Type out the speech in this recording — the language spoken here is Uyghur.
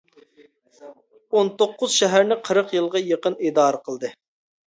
ئون توققۇز شەھەرنى قىرىق يىلغا يېقىن ئىدارە قىلدى.